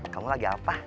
kamu lagi apa